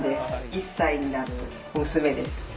１歳になる娘です。